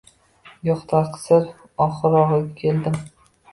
Yoʻq taqsir, oxirrogʻida keldim